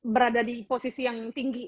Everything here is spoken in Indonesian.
berada di posisi yang tinggi